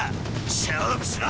勝負しろ！